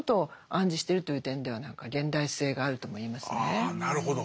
あなるほど。